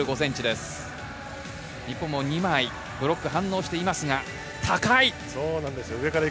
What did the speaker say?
日本も２枚ブロックが反応していますが、高い。